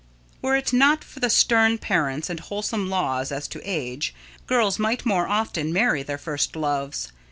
Were it not for the stern parents and wholesome laws as to age, girls might more often marry their first loves.